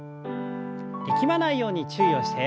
力まないように注意をして。